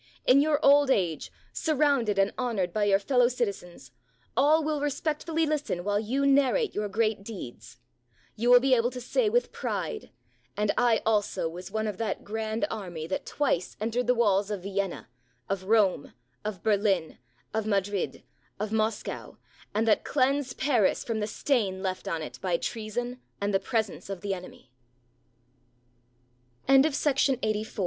In your old age, surrounded and honored by your fellow citizens, all will respectfully listen while you narrate your great deeds; you will be able to say with pride: "And I also was one of that Grand Army that twice entered the walls of Vienna, of Rome, of Berlin, of Mad rid, of Moscow, and that cleansed Paris from the stain left on it by treason and the pre